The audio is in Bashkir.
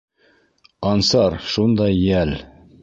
Ансар шундай йәл...